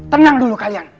tenang dulu kalian